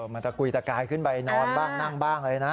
มันตะกุยตะกายขึ้นไปนอนบ้างนั่งบ้างเลยนะ